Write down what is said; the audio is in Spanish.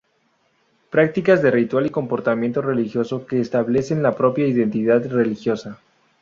Prácticas de ritual y comportamiento religioso que restablecen la propia identidad religiosa.